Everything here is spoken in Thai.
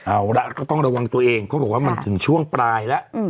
อาระก็ต้องระวังตัวเองเพราะว่ามันถึงช่วงปลายล่ะ